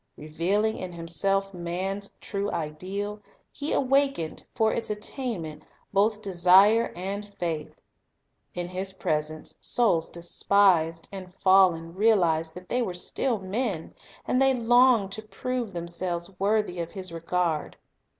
Re vealing in Himself man's true ideal, He awakened, for its attainment, both desire and faith. In His presence souls despised and fallen realized that they still were men, and they longed to prove themselves worthy of His regard.